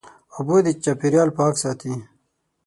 اوبه د چاپېریال پاک ساتي.